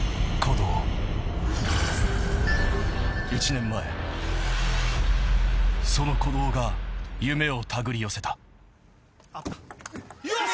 １年前、その鼓動が夢をたぐり寄せた。